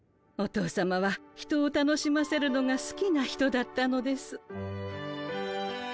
お父さまは人を楽しませるのがすきな人だったのです。